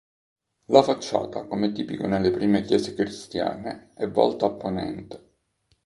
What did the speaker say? La facciata, come tipico nelle prime chiese cristiane, è volta a ponente.